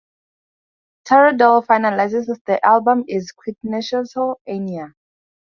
Tarradell finalises with the album is "quintessential Enya".